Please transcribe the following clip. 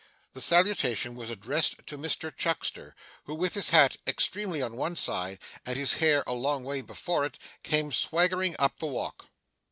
This salutation was addressed to Mr Chuckster, who, with his hat extremely on one side, and his hair a long way beyond it, came swaggering up the walk.